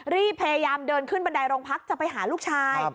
รีบพยายามเดินขึ้นบันไดโรงพักจะไปหาลูกชาย